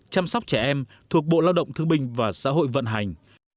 chăm sóc trẻ em thuộc bộ lao động thương binh và xã hội vận hành